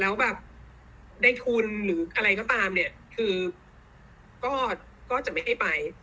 แล้วแบบได้ทุนหรืออะไรก็ตามเลยจะไม่ให้ไป